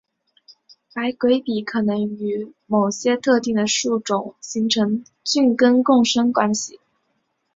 白鬼笔可能会与某些特定的树种形成菌根共生关系。